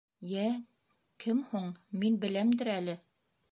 — Йә, кем һуң, мин беләмдер әле?